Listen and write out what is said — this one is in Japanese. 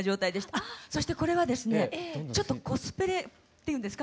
あっそしてこれはですねちょっとコスプレっていうんですか？